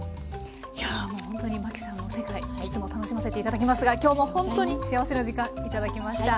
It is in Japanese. いやもうほんとにマキさんの世界いつも楽しませて頂きますが今日もほんとに幸せな時間頂きました。